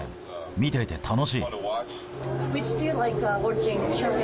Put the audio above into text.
見ていて楽しい。